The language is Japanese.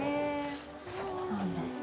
そうなんだ！